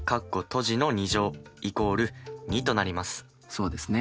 そうですね。